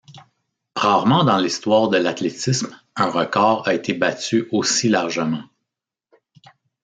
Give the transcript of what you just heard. Rarement dans l'histoire de l'athlétisme un record a été battu aussi largement.